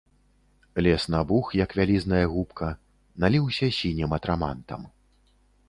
Лес набух, як вялізная губка, наліўся сінім атрамантам.